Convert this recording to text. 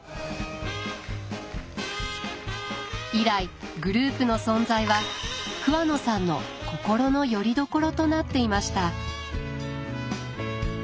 以来グループの存在は桑野さんの心のより所となっていました。